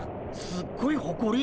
すっごいほこり！